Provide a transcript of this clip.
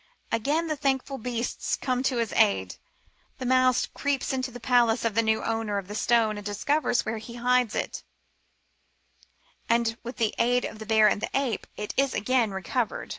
Again the thankful beasts come to his aid. The mouse creeps into the palace of the new owner of the stone and discovers where he hides it, and with the aid of the bear and ape it is again recovered.